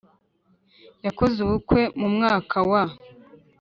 Yakoze ubukwe mumwaka wa